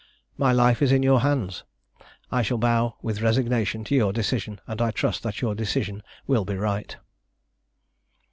My life is in your hands. I shall bow with resignation to your decision, and I trust that your decision will be right."